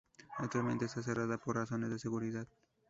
Actualmente está cerrada por razones de seguridad.